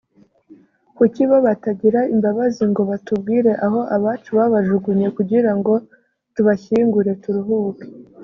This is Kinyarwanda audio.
kuki bo batagira imbabazi ngo batubwire aho abacu babajugunye kugira ngo tubashyingure turuhuke